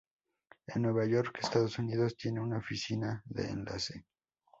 En Nueva York, Estados Unidos tiene una oficina de enlace.